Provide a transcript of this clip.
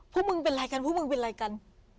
พวกมึงเป็นอะไรกันพวกมึงเป็นอะไรกัน